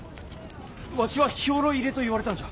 わしは兵糧入れと言われたんじゃ。